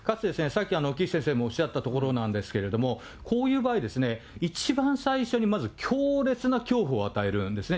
岸先生もおっしゃったところなんですけど、こういう場合、一番最初にまず強烈な恐怖を与えるんですね。